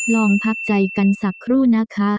ลองพักใจกันสักครู่นะคะ